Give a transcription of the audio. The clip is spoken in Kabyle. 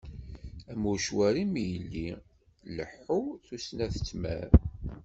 Am ucwari mi yelli, Ileḥḥu tusna tettmar.